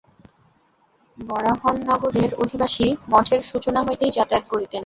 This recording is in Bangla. বরাহনগরের অধিবাসী, মঠের সূচনা হইতেই যাতায়াত করিতেন।